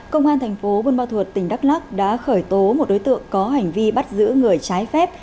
công an thành phố vân ba thuật tỉnh đắk lắc đã khởi tố một đối tượng có hành vi bắt giữ người trái phép